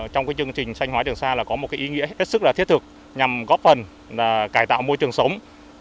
trong chương trình xanh hóa trường xa có một ý nghĩa rất thiết thực nhằm góp phần cải tạo môi trường sống